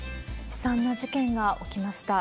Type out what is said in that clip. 悲惨な事件が起きました。